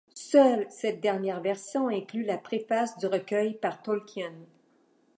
Seule cette dernière version inclut la préface du recueil par Tolkien.